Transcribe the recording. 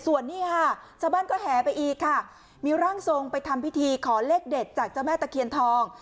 ส่วนนี้ค่ะชาวบ้านก็แห่ไปอีกค่ะมีร่างทรงไปทำพิธีขอเลขเด็ดจากเจ้าแม่ตะเคียนทอง